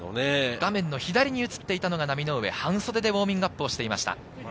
画面左に映っていたのが浪上、半袖でウオーミングアップしていました。